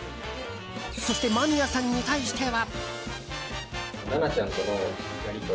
そして、間宮さんに対しては。